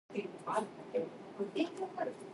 白头宫女在，闲坐说玄宗。